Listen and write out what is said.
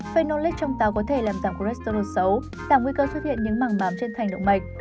phênol lít trong táo có thể làm giảm cholesterol xấu giảm nguy cơ xuất hiện những mảng bám trên thành động mạch